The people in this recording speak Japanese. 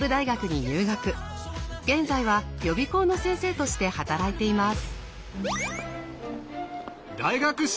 現在は予備校の先生として働いています。